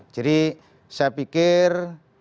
jadi saya pikir